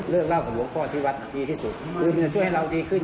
เล่าของหลวงพ่อที่วัดดีที่สุดคือมันจะช่วยให้เราดีขึ้น